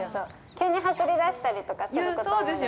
急に走り出したりとかすることもあるんで。